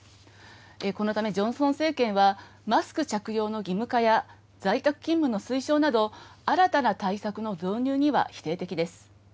このためジョンソン政権は、マスク着用の義務化や在宅勤務の推奨など、新たな対策の導入には否定的です。